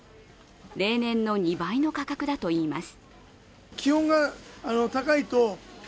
例年の２倍の価格だといいます。